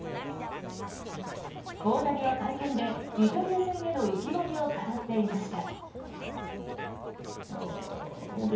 大谷は会見でイタリア戦への意気込みを語っていました。